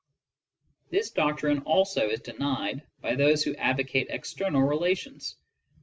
This doctrine also is denied by those who advocate external relations.